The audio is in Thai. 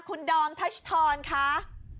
คุณดองทัชทอนค่ะ